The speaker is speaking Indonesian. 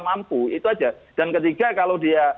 mampu itu aja dan ketiga kalau dia